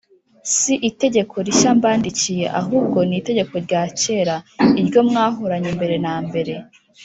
si itegeko rishya mbandikiye ahubwo ni itegeko rya kera, iryo mwahoranye mbere na mbere.